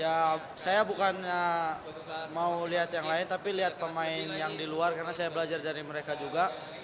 ya saya bukannya mau lihat yang lain tapi lihat pemain yang di luar karena saya belajar dari mereka juga